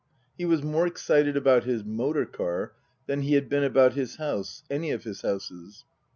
He was more excited about his motor car than he had been about his house any of his houses.